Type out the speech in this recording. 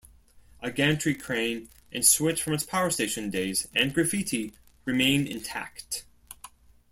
A gantry crane and switch from its power station days and graffiti remain intact.